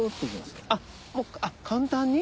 あっ簡単に？